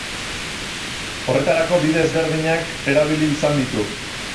Horretarako bide desberdinak erabili izan ditu.